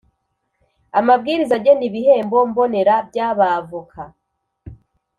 Amabwiriza agena ibihembo mbonera by abavoka